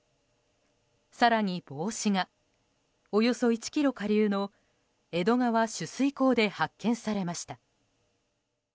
更に帽子がおよそ１ｋｍ下流の江戸川取水口で発見されました。